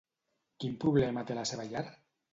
Quin problema té la seva llar?